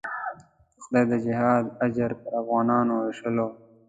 که خدای د جهاد اجر پر افغانانو وېشلو.